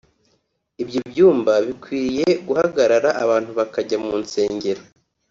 ibyo byumba bikwiye guhagarara abantu bakajya mu nsengero”